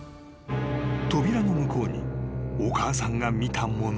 ［扉の向こうにお母さんが見たもの］